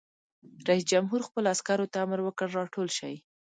رئیس جمهور خپلو عسکرو ته امر وکړ؛ راټول شئ!